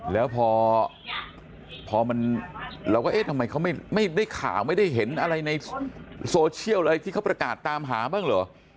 แล้วพอเราก็เอ๊ะทำไมเขาไม่ได้ข่าวไม่ได้เห็นอะไรในโซเชียลอะไรที่เขาประกาศตามหาบ้างเหรอ